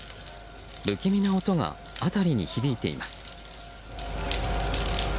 不気味な音が辺りに響いています。